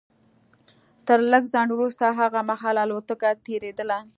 تر لږ ځنډ وروسته هغه مهال الوتکه تېرېدله